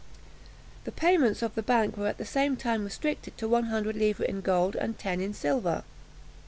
The payments of the bank were at the same time restricted to one hundred livres in gold, and ten in silver.